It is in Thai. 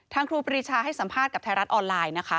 ครูปรีชาให้สัมภาษณ์กับไทยรัฐออนไลน์นะคะ